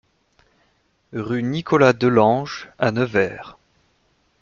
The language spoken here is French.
Rue Nicolas Delange à Nevers